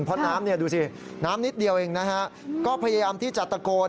เพราะน้ำนิดเดียวเองก็พยายามที่จะตะโกน